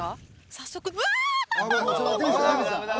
早速うわ！